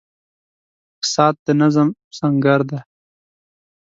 • ساعت د نظم سنګر دی.